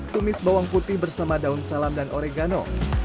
tumis bawang putih bersama daun salam dan oregano